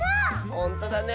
ほんとだね！